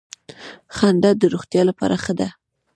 خندا د روغتیا لپاره ښه ده